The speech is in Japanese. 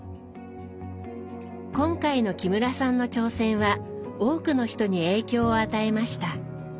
今回の木村さんの挑戦は多くの人に影響を与えました。